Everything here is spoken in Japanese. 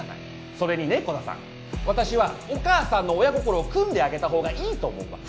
それにね鼓田さん私はお母さんの親心をくんであげたほうがいいと思うわけ。